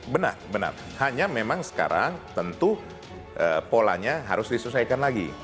benar benar hanya memang sekarang tentu polanya harus diselesaikan lagi